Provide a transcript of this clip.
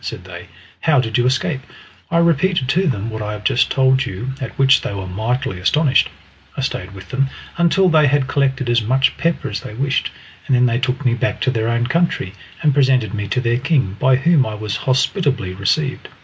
said they. "How did you escape?" I repeated to them what I have just told you, at which they were mightily astonished. I stayed with them until they had collected as much pepper as they wished, and then they took me back to their own country and presented me to their king, by whom I was hospitably received.